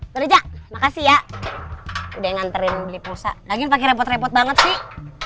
pak riza makasih ya udah nganterin beli pulsa lagian pake repot repot banget sih